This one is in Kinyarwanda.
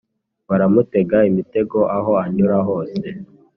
baramutega imitego aho anyura hose,